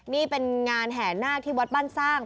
นี่เป็นงานแห่นาคที่วัดบ้านสร้าง